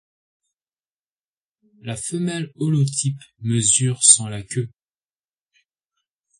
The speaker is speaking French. La femelle holotype mesure sans la queue.